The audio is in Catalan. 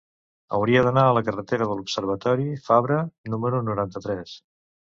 Hauria d'anar a la carretera de l'Observatori Fabra número noranta-tres.